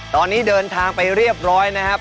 ตอนนี้เดินทางไปเรียบร้อยนะครับ